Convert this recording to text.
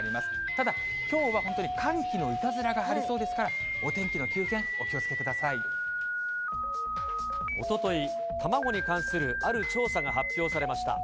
ただ、きょうは本当に寒気のいたずらがありそうですから、お天気の急変、おととい、卵に関するある調査が発表されました。